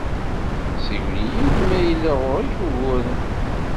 Siwel-iyi-d ma yella Ɣur-k uguren.